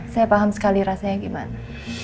saya paham sekali rasanya gimana